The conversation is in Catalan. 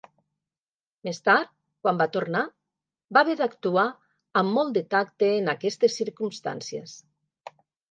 Més tard, quan va tornar, va haver d'actuar amb molt de tacte en aquestes circumstàncies.